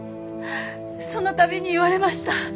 その度に言われました。